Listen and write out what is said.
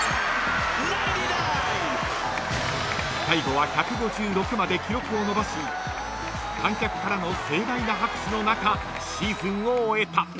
［最後は１５６まで記録を伸ばし観客からの盛大な拍手の中シーズンを終えた］